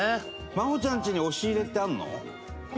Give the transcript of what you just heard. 麻帆ちゃんちに押し入れってあるの？